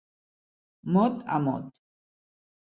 Mot a mot.